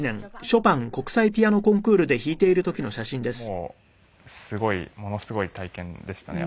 もうすごいものすごい体験でしたねやっぱり。